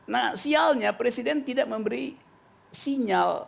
nah sialnya presiden tidak memberi sinyal